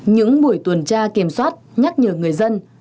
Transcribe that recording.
những buổi tuần tra kiểm soát nhắc nhở người dân